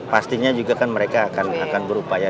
pastinya juga kan mereka akan berupaya